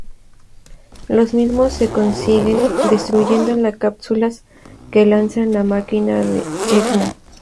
Los mismos se consiguen destruyendo las cápsulas que lanza la máquina de Eggman.